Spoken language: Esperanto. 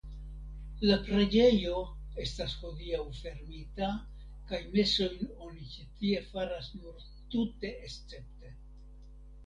La preĝejo estas hodiaŭ fermita kaj mesojn oni ĉi tie faras nur tute escepte.